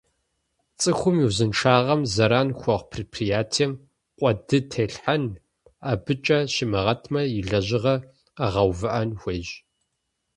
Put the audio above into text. ЦӀыхум и узыншагъэм зэран хуэхъу предприятием къуэды телъхьэн, абыкӀэ щимыгъэтмэ, и лэжьыгъэр къэгъэувыӀэн хуейщ.